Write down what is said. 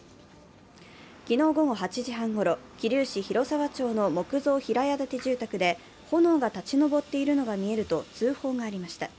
昨日午後８時半ごろ、桐生市広沢町の木造平屋建て住宅で炎が立ち上っているのが見えると通報がありました。